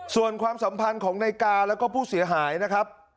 ส่วนความสัมพันธ์ของนายกาแล้วก็ผู้เสียหายนะครับ